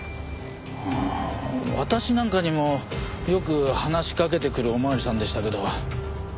ああ私なんかにもよく話しかけてくるお巡りさんでしたけど。